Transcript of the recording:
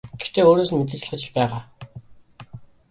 Гэхдээ өөрөөс нь мэдээж залхаж л байгаа.